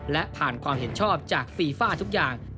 และผ่านความเห็นชอบจากฟีฟ่าทุกอย่าง